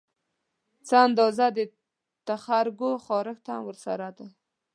څه اندازه د تخرګو خارښت هم ورسره ده